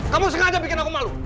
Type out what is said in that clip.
kamu sengaja bikin aku malu